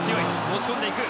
持ち込んでいく。